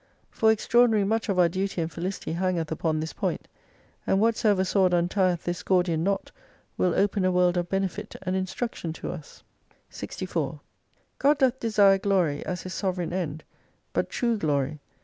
For extraordinary much of our duty and fehcity hangeth upon this point : and whatsoever sword untieth this Gordian knot, will open a world of benefit and instruction to us. 64 God doth desire glory as His sovereign end, but true glory.